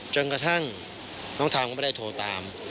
จนกระทั่งน้องทามก็ไม่ได้โทรตาม